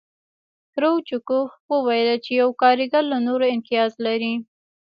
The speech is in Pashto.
کرو چکوف وویل چې یو کارګر له نورو امتیاز لري